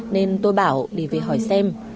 nên tôi bảo để về hỏi xem